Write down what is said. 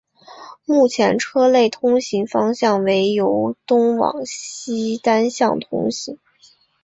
目前车辆通行方向为由东往西单向通行。